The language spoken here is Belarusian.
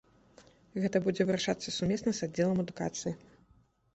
Гэта будзе вырашацца сумесна з аддзелам адукацыі.